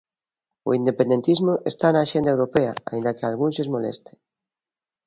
O independentismo está na axenda europea aínda que a algúns lles moleste.